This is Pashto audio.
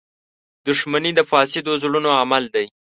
• دښمني د فاسدو زړونو عمل دی.